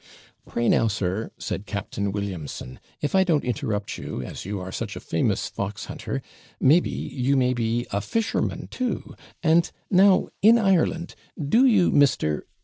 'Pray now, sir,' said Captain Williamson, 'if I don't interrupt you, as you are such a famous fox hunter, maybe, you may be a fisherman too; and now in Ireland do you, MR.